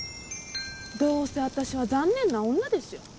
どうせ私は残念な女ですよ。